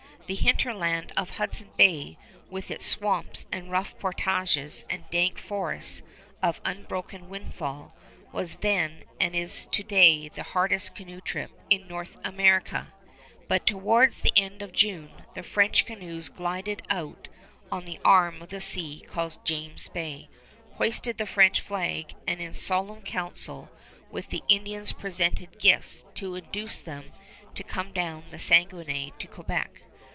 The hinterland of Hudson Bay, with its swamps and rough portages and dank forests of unbroken windfall, was then and is to day the hardest canoe trip in North America; but towards the end of June the French canoes glided out on the arm of the sea called James Bay, hoisted the French flag, and in solemn council with the Indians presented gifts to induce them to come down the Saguenay to Quebec.